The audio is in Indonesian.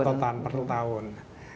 total per tahun